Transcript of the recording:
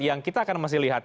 yang kita akan masih lihat